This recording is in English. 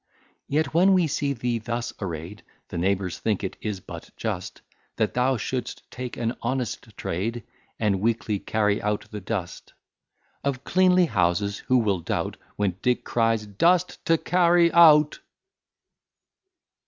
Yet, when we see thee thus array'd, The neighbours think it is but just, That thou shouldst take an honest trade, And weekly carry out the dust. Of cleanly houses who will doubt, When Dick cries "Dust to carry out!"